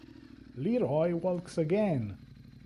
Leroy Walks Again!!